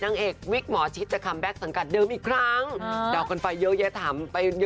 หนูก็จะมาถามเฮียแหละว่าใคร